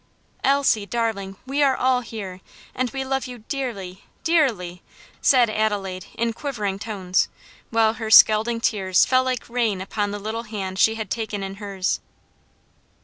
"Elsie, darling, we are all here, and we love you dearly, dearly," said Adelaide in quivering tones, while her scalding tears fell like rain upon the little hand she had taken in hers.